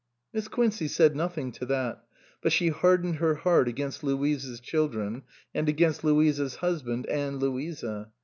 Miss Quincey said nothing to that ; but she hardened her heart against Louisa's children, and against Louisa's husband and Louisa.